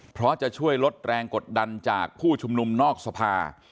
เพราะจะช่วยลดแรงกดดันจากผู้ชุมนุมนอกสภา